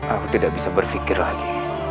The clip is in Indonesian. aku tidak bisa berpikir lagi